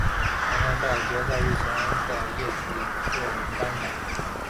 奖项会在决赛日前的夜祭作颁奖。